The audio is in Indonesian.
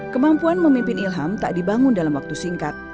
kemampuan memimpin ilham tak dibangun dalam waktu singkat